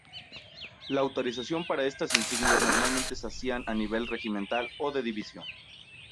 La autorización para estas insignias normalmente se hacía a nivel regimental o de división.